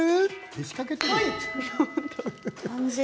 けしかけている。